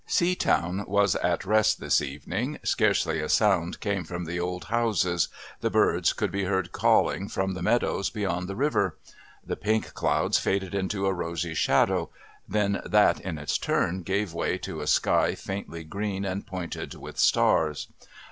Seatown was at rest this evening, scarcely a sound came from the old houses; the birds could be heard calling from the meadows beyond the river. The pink clouds faded into a rosy shadow, then that in its turn gave way to a sky faintly green and pointed with stars.